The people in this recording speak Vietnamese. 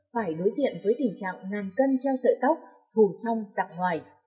phải đối diện với tình trạng ngàn cân treo sợi tóc thù trong giặc ngoài